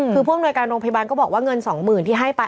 คือพวกนวยการโรงพยาบาลก็บอกว่าเงินสองหมื่นที่ให้ไป